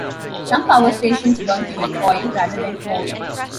Some power stations burn fuel oil rather than coal.